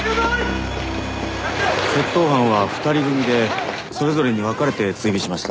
窃盗犯は２人組でそれぞれに分かれて追尾しました。